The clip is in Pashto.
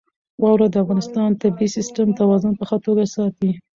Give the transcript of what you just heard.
واوره د افغانستان د طبعي سیسټم توازن په ښه توګه ساتي.